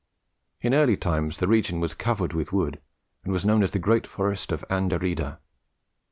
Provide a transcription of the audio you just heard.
In early times the region was covered with wood, and was known as the Great Forest of Anderida.